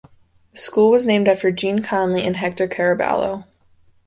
The school was named after Jean Conley and Hector Caraballo.